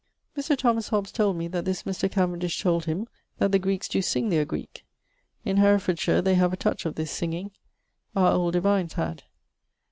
Mr. Thomas Hobbes told me that this Mr. Cavendish told him that the Greekes doe sing their Greeke. In Herefordshire they have a touch of this singing; our old divines had.